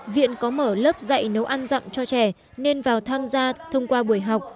viện có mở lớp dạy nấu ăn dặm cho trẻ nên vào tham gia thông qua buổi học